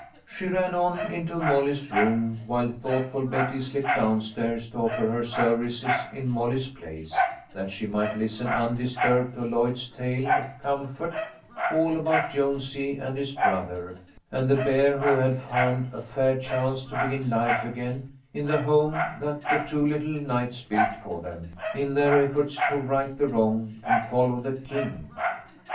She ran on into Molly's room, while thoughtful Betty slipped down stairs to offer her services in Molly's place, that she might listen undisturbed to Lloyd's tale of comfort, all about Jonesy and his brother, and the bear, who had found a fair chance to begin life again, in the home that the two little knights built for them, in their efforts to " right the MOLLY'S STORY. 89 wrong and follow the king."